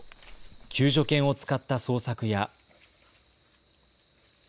救助犬を使った捜索や。